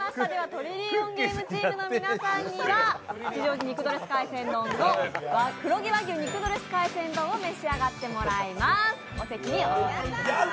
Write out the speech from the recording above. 「トリリオンゲーム」チームの皆さんには吉祥寺・肉ドレス海鮮丼の黒毛和牛ドレス海鮮丼を召し上がっていただきます。